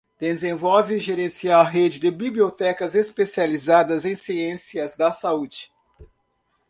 Desenvolve e gerencia a Rede de Bibliotecas Especializadas em Ciências da Saúde.